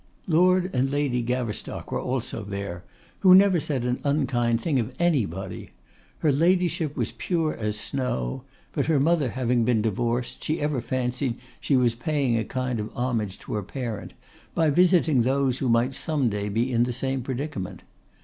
Lord and Lady Gaverstock were also there, who never said an unkind thing of anybody; her ladyship was pure as snow; but her mother having been divorced, she ever fancied she was paying a kind of homage to her parent, by visiting those who might some day be in the same predicament.